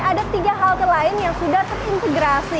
ada tiga halte lain yang sudah terintegrasi